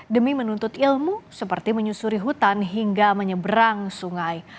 demi menuntut ilmu seperti menyusuri hutan hingga menyeberang sungai